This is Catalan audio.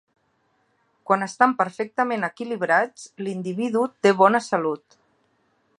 Quan estan perfectament equilibrats, l'individu té bona salut.